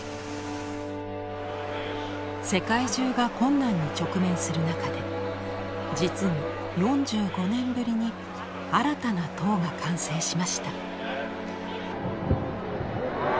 世界中が困難に直面する中で実に４５年ぶりに新たな塔が完成しました。